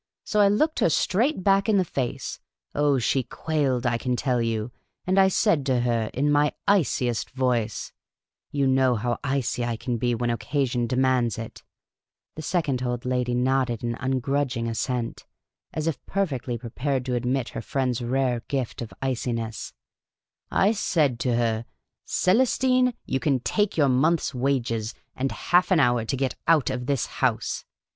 So I looked her straight back in the face — oh, she quailed, I can tell you — and I said to her in my iciest voice — you know how icy I 8 Miss Caylcy's Adventures can be when occasion demands it" — the second old lady nodded an nngrndginj; assent, as if perfectly prepared to ad mit her friend's rare gift of iciness —" I said to her, ' Ccles tine, you can take your month's wages, and half an hour to oui, maoamk; MF.RCI BKAUrorP, madamk. get out of this house.'